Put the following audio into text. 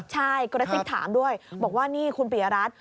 ใช่กดติดถามด้วยบอกว่านี่คุณปิยารัส